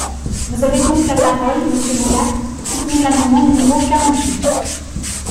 Vous avez donc la parole, monsieur Molac, pour soutenir l’amendement numéro quarante-huit.